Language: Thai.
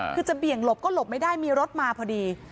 คือจะเบี่ยงหลบก็หลบไม่ได้มีรถมาพอดี